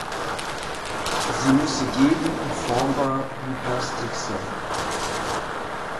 Sie müsse geben und formbar wie Plastik sein.